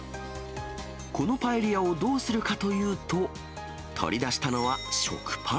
このパエリアをどうするかというと、取り出したのは食パン。